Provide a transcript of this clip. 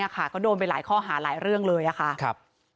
ก็โดนไปหลายข้อหาหลายเรื่องเลยค่ะ